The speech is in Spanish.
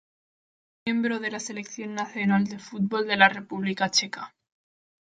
Fue miembro de la selección nacional de fútbol de la República Checa.